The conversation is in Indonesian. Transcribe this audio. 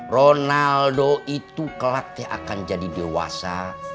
ronaldo itu kelaknya akan jadi dewasa